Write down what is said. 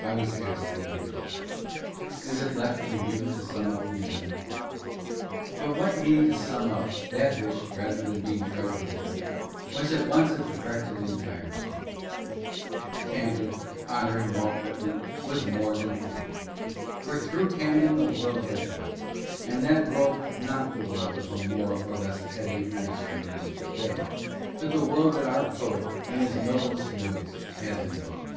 I was asked the other day, Is it left for you to sum up the event ? But what need to sum up that which, rather than being fragmentary, was at once a direct and entire story? Camden, honoring Walt Whitman, was more than Camden ; for through Camden the world had voice, and that world not the world of a more or less petty and undiscriminating to day, but the world that our poet in his noblest moods has invoked.